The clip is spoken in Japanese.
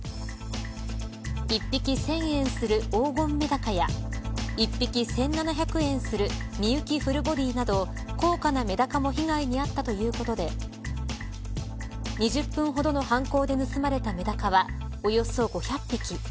１匹１０００円する黄金メダカや１匹１７００円する幹之フルボディなど高価なメダカも被害に遭ったということで２０分ほどの犯行で盗まれたメダカはおよそ５００匹。